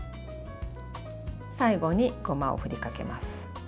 最後にごまを振りかけます。